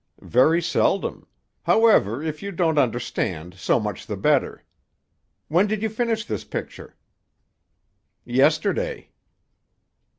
"Very seldom. However, if you don't understand so much the better. When did you finish this picture?" "Yesterday."